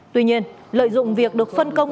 tuy nhiên lợi dụng việc được phân công